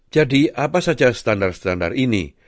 jadi apa saja standar standar ini